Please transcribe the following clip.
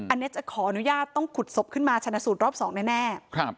อันนี้จะขออนุญาตต้องขุดศพขึ้นมาชนะสูตรรอบ๒แน่